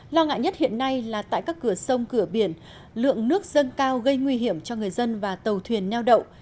lo ngại nhất hiện nay là tại các cửa sông cửa biển lượng nước dâng cao gây nguy hiểm cho người dân và tàu thuyền neo đậu